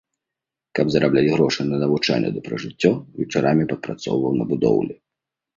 Каб зарабляць грошы на навучанне ды пражыццё, вечарамі падпрацоўваў на будоўлі.